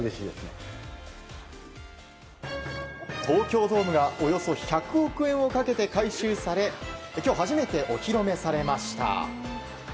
東京ドームがおよそ１００億円をかけて改修され今日初めてお披露目されました。